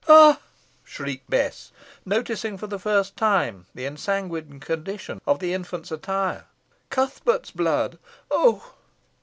"Ha!" shrieked Bess, noticing for the first time the ensanguined condition of the infant's attire. "Cuthbert's blood oh!"